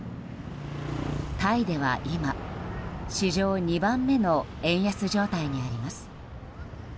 タイでは今、史上２番目の円安状態にあります。